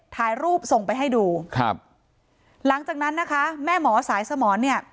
ถ่ายรูปส่งไปให้ดูครับหลังจากนั้นนะคะแม่หมอสายสมรเนี่ย